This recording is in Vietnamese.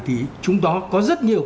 thì chúng ta có rất nhiều